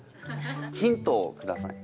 ヒントをください！